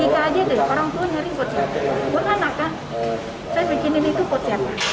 saya bikin ini itu buat siapa